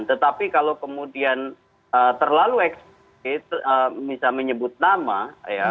tetapi kalau kemudian terlalu eksplisit bisa menyebut nama ya